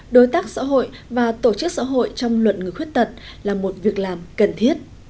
đối tác xã hội và tổ chức xã hội trong luận người khuyết tật là một việc làm cần thiết